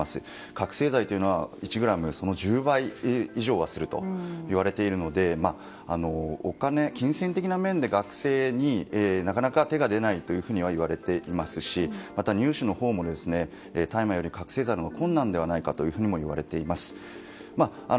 覚醒剤というのは１ｇでその１０倍以上はするといわれているのでお金、金銭的な面で学生になかなか手が出ないといわれていますしまた、入手のほうも大麻より覚醒剤のほうが困難ではないかといわれています。